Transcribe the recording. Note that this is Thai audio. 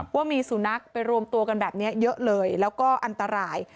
ว่ามีสุนัขไปรวมตัวกันแบบนี้เยอะเลยแล้วก็อันตราย